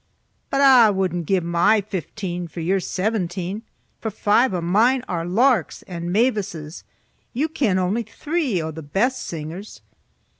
"But I wouldna gie my fifteen for your seventeen, for five of mine are larks and mavises. You ken only three o' the best singers."